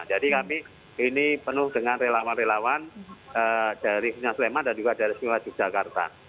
jadi kami ini penuh dengan relawan relawan dari suleman dan juga dari sula jakarta